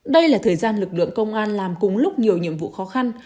đây là thời gian lực lượng công an làm cùng lúc nhiều nhiệm vụ khó khăn